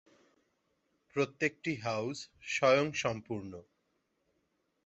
প্রত্যেকটি হাউস স্বয়ংসম্পূর্ণ।